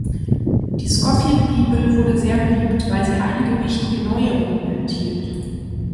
Die Scofield-Bibel wurde sehr beliebt, weil sie einige wichtige Neuerungen enthielt.